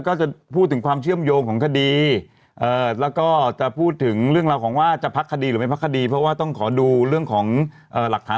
ก็ไม่ได้ชี้ชัดแต่ผมต้องถามบางประเด็นที่